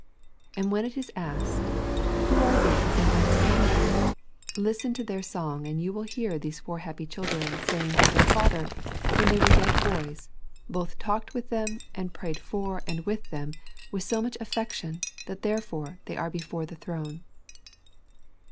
And when it is asked, Who are these and whence came they? listen to their song and you will hear those four happy children saying that their father, when they were yet boys, both talked with them and prayed for and with them with so much affection that therefore they are before the throne.